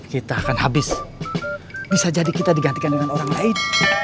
kita akan habis bisa jadi kita digantikan dengan orang lain